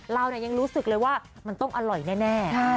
เรายังรู้สึกเลยว่าอร่อยแน่